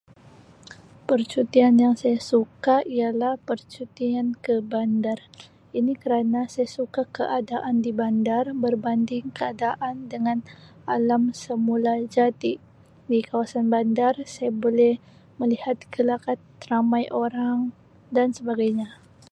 Percutian yang saya suka ialah percutian ke bandar. Ini kerana saya suka keadaan di bandar berbanding keadaan dengan alam semula jadi di kawasan bandar saya boleh melihat gelagat ramai orang dan sebagainya.